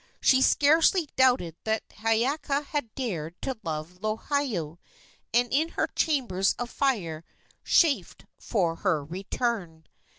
She scarcely doubted that Hiiaka had dared to love Lohiau, and in her chambers of fire chafed for her return.